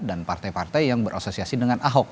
dan partai partai yang berasosiasi dengan ahok